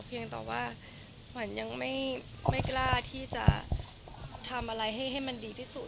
เพียงแต่ว่าขวัญยังไม่กล้าที่จะทำอะไรให้มันดีที่สุด